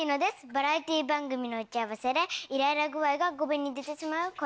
「バラエティー番組の打ち合わせでイライラ具合が語尾に出てしまう子役」。